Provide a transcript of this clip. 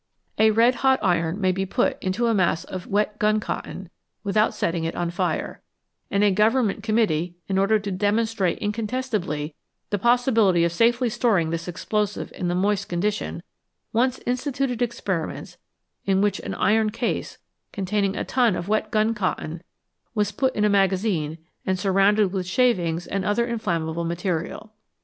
A red hot iron may be put into a mass of wet gun cotton without setting it on fire ; and a Govern ment Committee, in order to demonstrate incontestably the possibility of safely storing this explosive in the moist condition, once instituted experiments in which an iron case, containing a ton of wet gun cotton was put in a magazine and surrounded with shavings and other in 176 EXPLOSIONS AND EXPLOSIVES flammable material.